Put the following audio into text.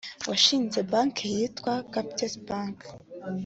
washinze banki yitwa Capitec Bank